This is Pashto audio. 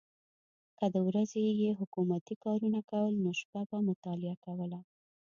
که د ورځې یې حکومتي کارونه کول نو شپه به مطالعه کوله.